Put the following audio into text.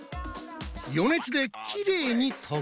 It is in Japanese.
余熱できれいに溶けるぞ。